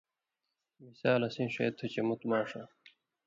مثال اسیں ݜے تُھو چے مُت ماݜاں